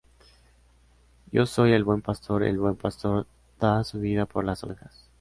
Yo soy el buen pastor; el buen pastor da su vida por las ovejas.